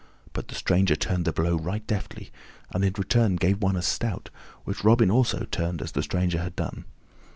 But the stranger turned the blow right deftly and in return gave one as stout, which Robin also turned as the stranger had done.